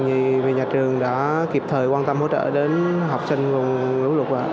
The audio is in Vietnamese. tại vì nhà trường đã kịp thời quan tâm hỗ trợ đến học sinh nguồn lũ lụt